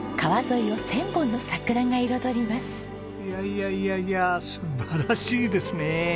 いやいやいやいや素晴らしいですね。